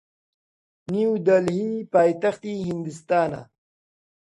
نیودەلهی پایتەختی هیندستانە.